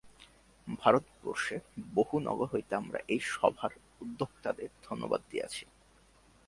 ভারতবর্ষে বহু নগর হইতে আমরা এই সভার উদ্যোক্তাদের ধন্যবাদ দিয়াছি।